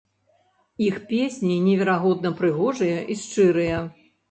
Іх песні неверагодна прыгожыя і шчырыя.